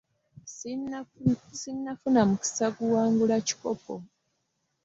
Ssinnafuna mukiisa kuwangula kikopo.